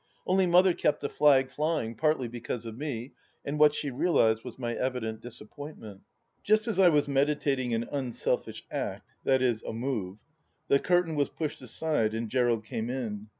Only Mother kept the flag flying, partly because of me, and what she realized was my evident disappointment. Just as I was meditating an unselfish act — ^viz. a move, the curtain was pushed aside and Gerald came in.